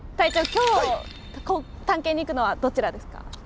今日探検に行くのはどちらですか？